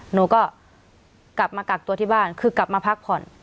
หนูก็กลับมากักตัวที่บ้านคือกลับมาพักผ่อน